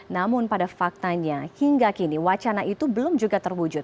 namun pada faktanya hingga kini wacana itu belum juga terwujud